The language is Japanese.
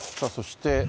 そして。